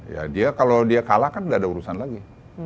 ya dia kalau dia kalah kan tidak ada urusan lagi